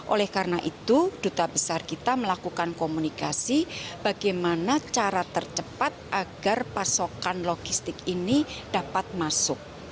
oleh karena itu duta besar kita melakukan komunikasi bagaimana cara tercepat agar pasokan logistik ini dapat masuk